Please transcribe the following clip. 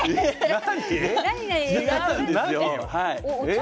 何？